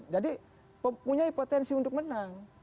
jadi punya potensi untuk menang